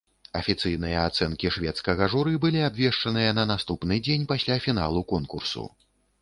Афіцыйныя ацэнкі шведскага журы былі абвешчаныя на наступны дзень пасля фіналу конкурсу.